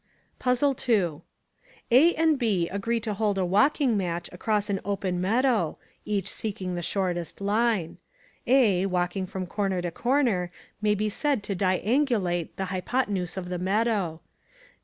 Puzzle II A and B agree to hold a walking match across an open meadow, each seeking the shortest line. A, walking from corner to corner, may be said to diangulate the hypotenuse of the meadow.